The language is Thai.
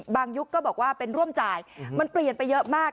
ยุคก็บอกว่าเป็นร่วมจ่ายมันเปลี่ยนไปเยอะมาก